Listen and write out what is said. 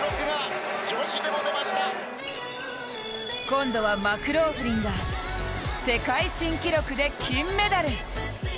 今度はマクローフリンが世界新記録で金メダル。